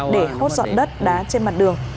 để hốt dọn đất đá trên mặt đường